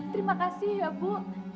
terima kasih ya bu